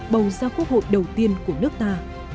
bầu ra quốc hội đầu tiên của nước ta